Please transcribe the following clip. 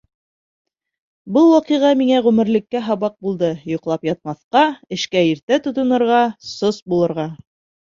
Был ваҡиға миңә ғүмерлеккә һабаҡ булды: йоҡлап ятмаҫҡа, эшкә иртә тотонорға, сос булырға.